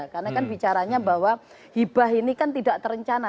karena kan bicaranya bahwa ibah ini kan tidak terencana